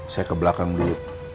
saya ke belakang dulu